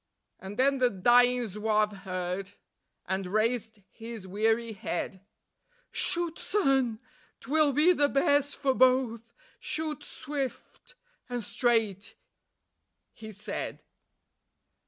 And then the dying Zouave heard, and raised his weary head: "Shoot, son, 'twill be the best for both; shoot swift and straight," he said.